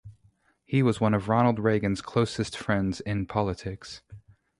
He was one of Ronald Reagan's closest friends in politics.